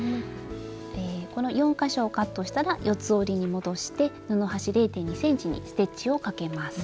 この４か所をカットしたら四つ折りに戻して布端０．２ｃｍにステッチをかけます。